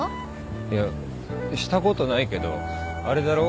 いやしたことないけどあれだろ？